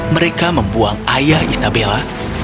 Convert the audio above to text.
mereka membuang ayah isabella